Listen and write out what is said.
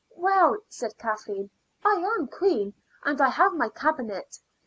"Well," said Kathleen, "I am queen, and I have my Cabinet.